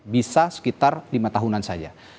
bisa sekitar lima tahunan saja